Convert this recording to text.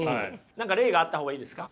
何か例があった方がいいですか？